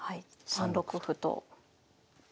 ３六歩と。